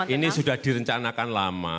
ini sudah direncanakan lama